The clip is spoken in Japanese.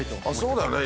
そうだね。